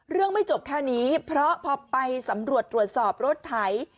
ไม่จบแค่นี้เพราะพอไปสำรวจตรวจสอบรถไถ